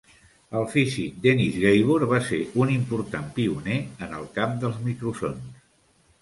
El físic Dennis Gabor va ser un important pioner en el camp dels microsons.